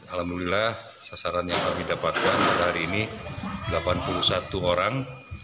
alhamdulillah sasaran yang kami dapatkan pada hari ini delapan puluh satu orang